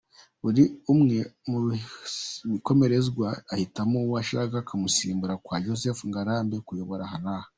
Buri umwe mubikomerezwa ahitamo uwo ashaka akamusabira kwa Joseph Ngarambe kuyobora aha n’aha.